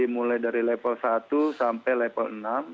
mulai dari level satu sampai level enam